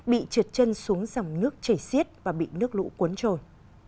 bị trượt chân xuống dòng nước chảy xiết và bị nước lũ cuốn trôi